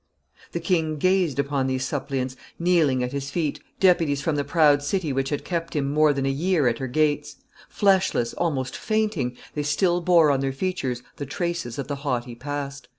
The king gazed upon these suppliants kneeling at his feet, deputies from the proud city which had kept him more than a year at her gates; fleshless, almost fainting, they still bore on their features the traces of the haughty past.